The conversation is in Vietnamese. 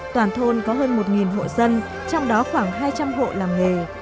toàn thôn có hơn một hộ dân trong đó khoảng hai trăm linh hộ làm nghề